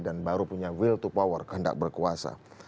dan baru punya will to power kehendak berkuasa